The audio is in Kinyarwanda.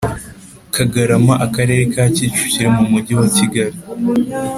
kagarama akarere ka kicukiro mu mujyi wa kigali